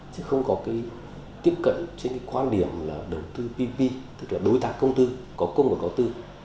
chứ không có cái tiếp cận trên cái quan điểm là đầu tư pp tức là đối tác công tư có công và có tư